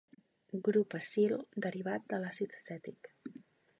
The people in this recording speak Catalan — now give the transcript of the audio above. Grup acil derivat de l'àcid acètic.